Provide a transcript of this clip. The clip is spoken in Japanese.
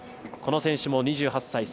この選手も２８歳。